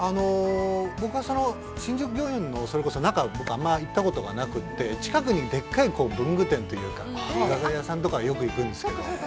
◆僕は新宿御苑のそれこそ中は、僕あんまり行ったことがなくて、近くにでっかい文具店というか画材屋さんとかはよく行くんですけど。